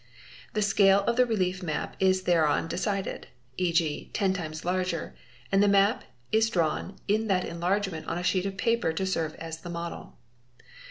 The scale of the relief map is thereupon decided, ¢.g., 10 times larger, and the map is drawn in that enlargement on a sheet of paper to serve as a model.